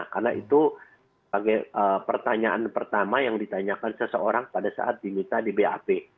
karena itu pertanyaan pertama yang ditanyakan seseorang pada saat diminta di bap